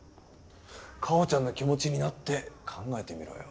夏帆ちゃんの気持ちになって考えてみろよ。